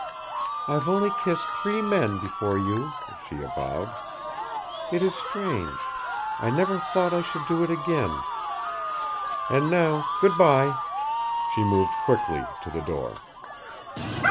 "I've only kissed three men before you," she avowed. "It is strange. I never thought I should do it again. And now, good by!" She moved quickly to the door.